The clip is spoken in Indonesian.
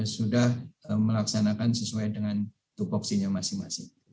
sudah melaksanakan sesuai dengan tupoksinya masing masing